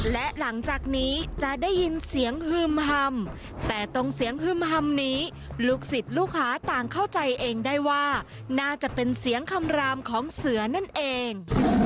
และหลังจากนี้จะได้ยินเสียงฮือมฮำแต่ตรงเสียงฮึมฮำนี้ลูกศิษย์ลูกค้าต่างเข้าใจเองได้ว่าน่าจะเป็นเสียงคำรามของเสือนั่นเอง